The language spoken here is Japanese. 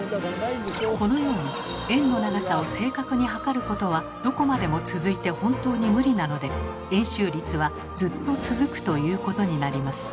このように円の長さを正確に測ることはどこまでも続いて本当に無理なので円周率はずっと続くということになります。